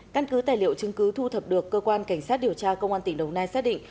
căn cứ tài liệu chứng cứ thu thập được cơ quan cảnh sát điều tra công an tỉnh đồng nai xác định